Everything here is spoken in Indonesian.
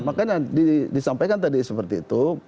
makanya disampaikan tadi seperti itu